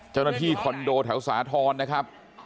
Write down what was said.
เจ้าหน้าที่คอนโดแถวสาธรณ์นะครับ